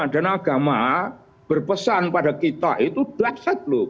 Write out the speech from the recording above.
dan agama berpesan pada kita itu dahsyat loh